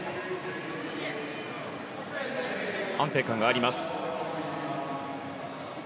安定感があります。